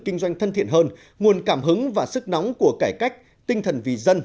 kinh doanh thân thiện hơn nguồn cảm hứng và sức nóng của cải cách tinh thần vì dân